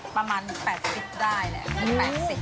ประมาณ๘๐ปีได้แหละ๘๐ปี